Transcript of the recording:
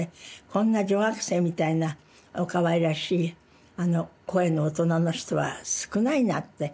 こんな女学生みたいなおかわいらしい声の大人の人は少ないなって。